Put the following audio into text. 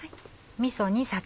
みそに酒。